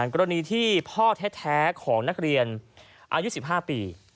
กรณีที่พ่อแท้ของนักเรียนอายุ๑๕ปี